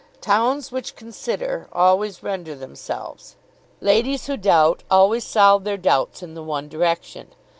Towns which consider, always render themselves. Ladies who doubt always solve their doubts in the one direction.